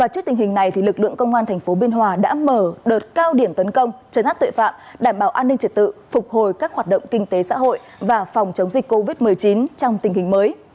trước tình hình này lực lượng công an tp biên hòa đã mở đợt cao điểm tấn công chấn áp tội phạm đảm bảo an ninh trật tự phục hồi các hoạt động kinh tế xã hội và phòng chống dịch covid một mươi chín trong tình hình mới